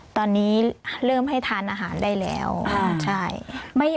ตอนนี้เริ่มให้ทานอาหารได้แล้วใช่